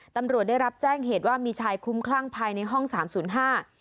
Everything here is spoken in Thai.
ตำรวจได้รับแจ้งเหตุว่ามีชายคุ้มคลั่งภายในห้องสามศูนย์ห้า